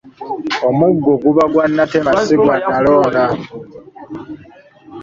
Omuggo guba gwa natema si gwa nalonda.